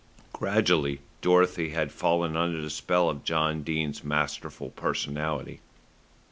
Gradually Dorothy had fallen under the spell of John Dene's masterful personality.